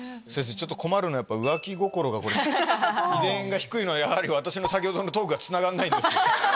ちょっと困るの「浮気心」が遺伝が低いのは私の先ほどのトークがつながらないんですけど。